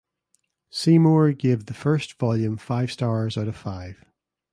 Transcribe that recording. Seymour gave the first volume five stars out of five.